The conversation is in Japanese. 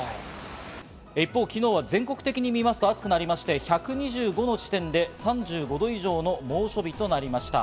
一方、昨日は全国的に見ますと暑くなりまして、１２５の地点で３５度以上の猛暑日となりました。